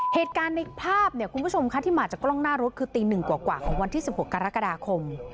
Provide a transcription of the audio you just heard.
เหตุการณ์ในภาพคุณผู้ชมค่ะที่มาจากกล้องหน้ารถคือตีหนึ่งกว่ากว่าของวันที่สิบหกกรกฎาคม